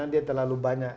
karena dia terlalu banyak